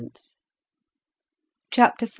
CHAPTER V.